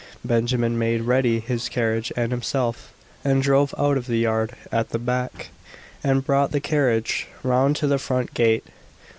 Benjamin made ready his carriage and himself, and drove out of the yard at the back, and brought the carriage round to the front gate.